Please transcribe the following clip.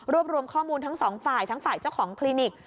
รวมรวมข้อมูลทั้งสองฝ่ายทั้งฝ่ายเจ้าของคลินิก